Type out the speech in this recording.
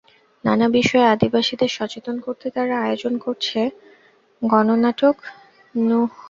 নানা বিষয়ে আদিবাসীদের সচেতন করতে তারা আয়োজন করছে গণনাটক ন্যূহ পহর।